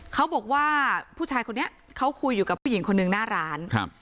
เขาบอกว่าผู้ชายคนนี้เขาคุยอยู่กับผู้หญิงคนหนึ่งหน้าร้านครับ